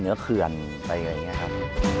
เหนือเคือนไปอะไรอย่างนี้ครับ